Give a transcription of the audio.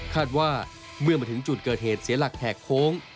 ว่าเมื่อมาถึงจุดเกิดเหตุเสียหลักแหกโค้ง